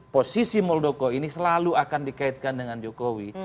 posisi muldoko ini selalu akan dikaitkan dengan jokowi